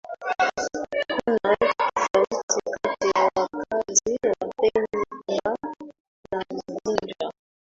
Kuna tofauti kati ya wakazi wa Pemba na Unguja